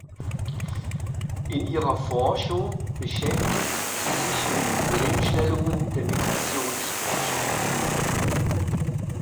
In ihrer Forschung beschäftigt sie sich mit Problemstellungen der Migrationsforschung.